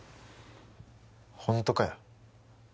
本当かよ？